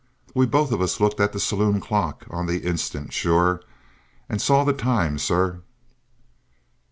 We both of us looked at the saloon clock on the instant, sure, an' saw the toime, sor."